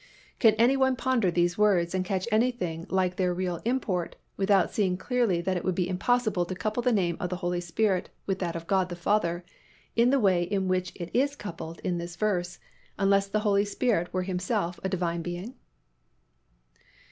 Can any one ponder these words and catch anything like their real import without seeing clearly that it would be impossible to couple the name of the Holy Spirit with that of God the Father in the way in which it is coupled in this verse unless the Holy Spirit were Himself a Divine Being?